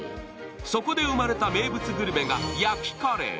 そこで生まれた名物グルメが焼きカレー。